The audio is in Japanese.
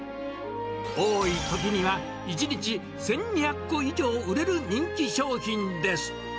多いときには、１日１２００個以上売れる人気商品です。